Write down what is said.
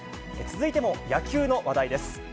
続いても野球の話題です。